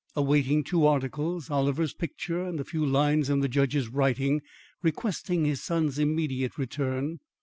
Awaiting two articles Oliver's picture and a few lines in the judge's writing requesting his son's immediate return.